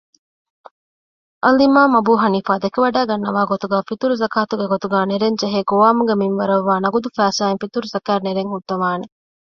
އަލްއިމާމު އަބޫޙަނީފާ ދެކެވަޑައިގަންނަވާގޮތުގައި ފިޠުރުޒަކާތުގެ ގޮތުގައި ނެރެންޖެހޭ ގޮވާމުގެ މިންވަރަށްވާ ނަޤުދު ފައިސާއިން ފިޠުރުޒަކާތް ނެރުންހުއްދަވާނެ